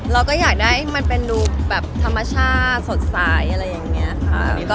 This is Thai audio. เราก็อยากได้มันเป็นดูแบบธรรมชาติสดใสอะไรอย่างนี้ค่ะ